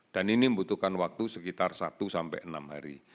dan ini membutuhkan waktu sekitar satu enam hari